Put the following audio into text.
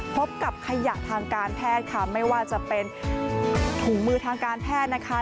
พบกับขยะทางการแพทย์ค่ะไม่ว่าจะเป็นถุงมือทางการแพทย์นะคะ